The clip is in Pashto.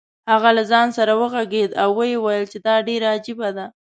هغه له ځان سره وغږېد او ویې ویل چې دا ډېره عجیبه ده.